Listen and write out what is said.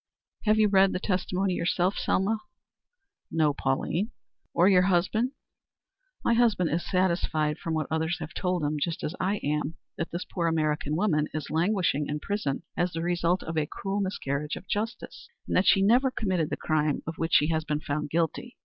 "Have you read the testimony yourself, Selma?" "No, Pauline." "Or your husband?" "My husband is satisfied from what others have told him, just as I am, that this poor American woman is languishing in prison as the result of a cruel miscarriage of justice, and that she never committed the crime of which she has been found guilty.